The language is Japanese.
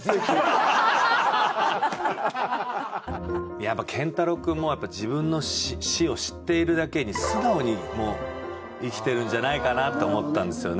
やっぱ健太郎くんも自分の死を知っているだけに素直に生きてるんじゃないかなと思ったんですよね。